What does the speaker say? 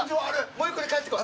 もう１個で帰ってこい。